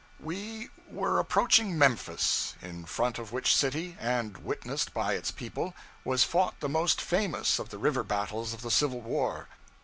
We were approaching Memphis, in front of which city, and witnessed by its people, was fought the most famous of the river battles of the Civil War.